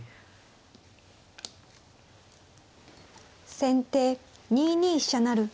先手２二飛車成。